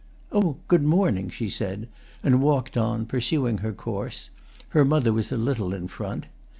"Oh, good morning!" she said, and walked on, pursuing her course; her mother was a little in front.